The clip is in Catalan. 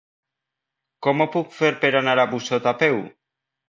Com ho puc fer per anar a Busot a peu?